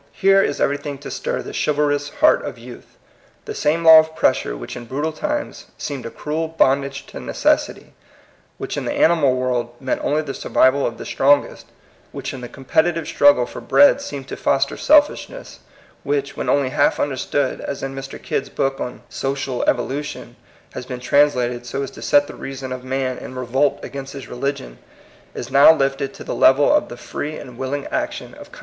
Here is everything to stir the chivalrous heart of youth. The same law of pressure which in brutal times seemed a cruel bond age to necessity ; which in the animal world meant only the survival of the strongest; which in the competitive struggle for bread seemed to foster selfishness; which, when only half understood, as in Mr. Kidd's book on " Social Evolution," has been translated so as to set the reason of man in revolt against his religion, — is now lifted to the level of the free and willing action of con PROBLEM OF THE PROSPEROUS.